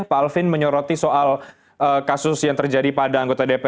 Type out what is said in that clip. pak alvin menyoroti soal kasus yang terjadi pada anggota dpr